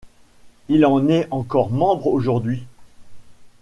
Il en est encore membre aujourd'hui.